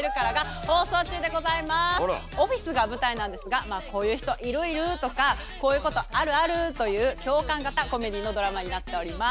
オフィスが舞台なんですがまあこういう人いるいるとかこういうことあるあるという共感型コメディーのドラマになっております。